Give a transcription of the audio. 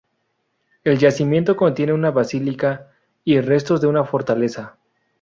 El yacimiento contiene una basílica y restos de una fortaleza.